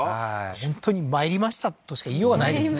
本当にまいりましたとしか言いようがないですね